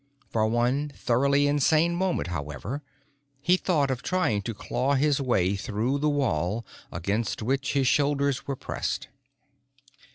For one thoroughly insane moment, however, he thought of trying to claw his way through the wall against which his shoulders were pressed.